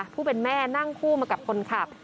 ผู้เป็นแม่นั่งคู่มากับคนขับ